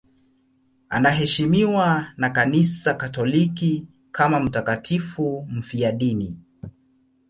Anaheshimiwa na Kanisa Katoliki kama mtakatifu mfiadini.